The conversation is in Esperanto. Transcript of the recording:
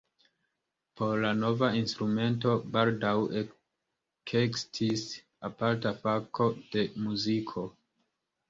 Por la nova instrumento baldaŭ ekestis aparta fako de muziko.